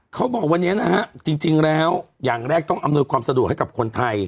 เขาบอกวันนี้นะฮะจริงแล้วอย่างแรกต้องอำนวยความสะดวกให้กับคนไทย